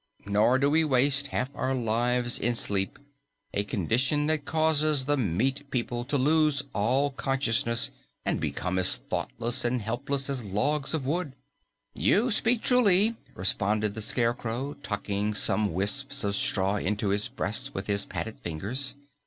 Nor do we waste half our lives in sleep, a condition that causes the meat people to lose all consciousness and become as thoughtless and helpless as logs of wood." "You speak truly," responded the Scarecrow, tucking some wisps of straw into his breast with his padded fingers.